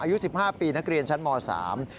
อายุ๑๕ปีนักเรียนชั้นม๓